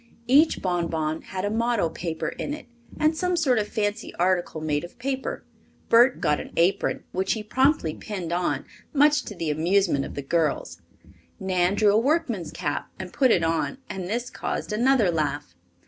Each bonbon had a motto paper in it and some sort of fancy article made of paper. Bert got an apron, which he promptly pinned on, much to the amusement of the girls. Nan drew a workman's cap and put it on, and this caused another laugh.